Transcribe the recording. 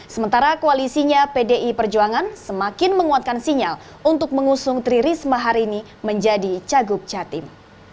sementara koalisinya pdi perjuangan semakin menguatkan sinyal untuk mengusung tri risma hari ini menjadi cagup jatim